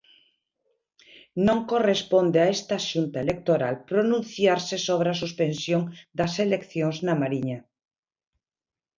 "Non corresponde a esta Xunta Electoral pronunciarse sobre a suspensión das eleccións na Mariña".